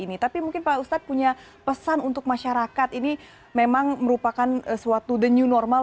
tapi mungkin pak ustadz punya pesan untuk masyarakat ini memang merupakan suatu the new normal